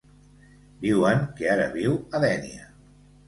Diuen que ara viu a Dénia.